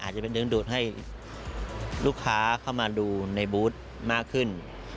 อาจจะเป็นดึงดูดให้ลูกค้าเข้ามาดูในบูธมากขึ้น